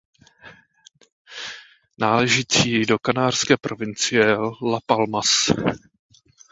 Náležící do kanárské provincie Las Palmas.